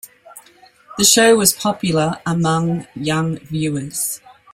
The show was popular among young viewers.